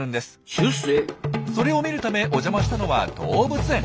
それを見るためお邪魔したのは動物園。